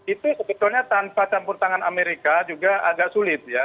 itu sebetulnya tanpa campur tangan amerika juga agak sulit ya